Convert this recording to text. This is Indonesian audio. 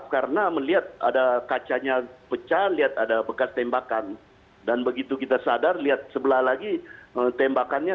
kedua anggota dpr tersebut juga tidak mengalami luka